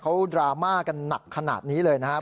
เขาดราม่ากันหนักขนาดนี้เลยนะครับ